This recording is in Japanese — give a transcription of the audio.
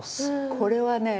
これはね